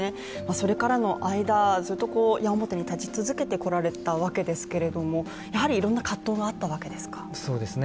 それからの間、ずっと矢面に立ち続けてこられたわけですけど、やはりいろいろな葛藤もあったわけですか？